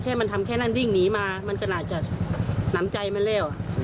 มันทำแค่นั้นวิ่งหนีมามันก็น่าจะหนำใจมาแล้ว